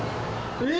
え！